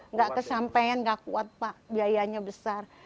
nggak kesampean gak kuat pak biayanya besar